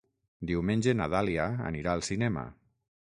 Diumenge na Dàlia anirà al cinema.